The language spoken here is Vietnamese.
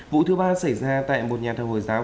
vụ thứ ba xảy ra tại một nhà thờ hồi giáo